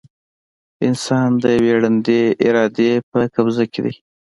انسان د یوې ړندې ارادې په قبضه کې دی.